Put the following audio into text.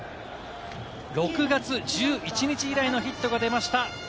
６月１１日以来のヒットが出ました。